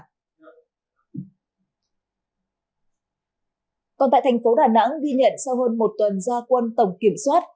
còn tại tp đà nẵng ghi nhận sau hơn một tuần do quân tổng kiểm soát